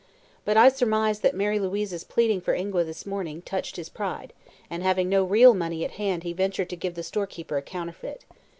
But I surmise that Mary Louise's pleading for Ingua, this morning, touched his pride, and having no real money at hand he ventured to give the storekeeper a counterfeit.